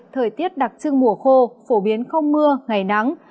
thời tiết đặc trưng mùa khô phổ biến không mưa ngày nắng